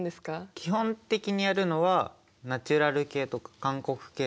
基本的にやるのはナチュラル系とか韓国系とか。